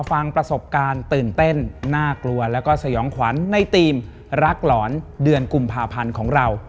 แล้วก็สยองขวัญในทีมรักหลอนเดือนกุมภาพันธ์ของเรา